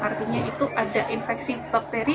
artinya itu ada infeksi bakteri